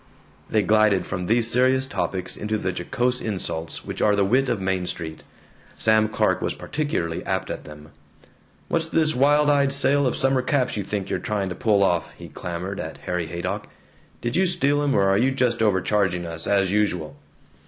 They glided from these serious topics into the jocose insults which are the wit of Main Street. Sam Clark was particularly apt at them. "What's this wild eyed sale of summer caps you think you're trying to pull off?" he clamored at Harry Haydock. "Did you steal 'em, or are you just overcharging us, as usual?